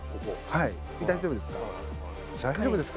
大丈夫ですか？